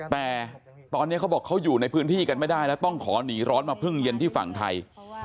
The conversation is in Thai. แต่ตอนนี้เขาบอกเขาอยู่ในพื้นที่กันไม่ได้แล้วต้องขอหนีร้อนมาพึ่งเย็นที่ฝั่งไทย